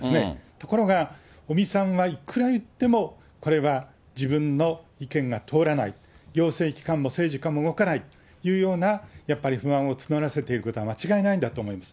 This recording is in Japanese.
ところが、尾身さんはいくら言っても、これは自分の意見が通らない、行政機関も政治家も動かないというような、やっぱり不安を募らせていることは間違いないんだと思います。